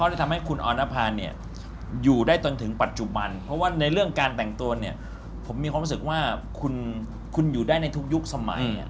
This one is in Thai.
จะทำให้คุณออนภาเนี่ยอยู่ได้จนถึงปัจจุบันเพราะว่าในเรื่องการแต่งตัวเนี่ยผมมีความรู้สึกว่าคุณอยู่ได้ในทุกยุคสมัย